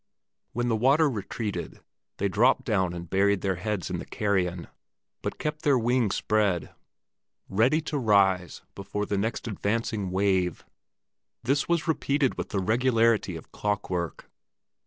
When the water retreated, they dropped down and buried their heads in the carrion, but kept their wings spread, ready to rise before the next advancing wave. This was repeated with the regularity of clock work.